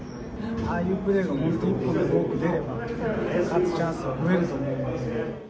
ああいうプレーがもっと出れば、勝つチャンスは増えると思います。